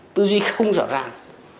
tư duy không rõ ràng